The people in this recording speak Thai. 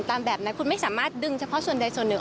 แบบนั้นคุณไม่สามารถดึงเฉพาะส่วนใดส่วนหนึ่ง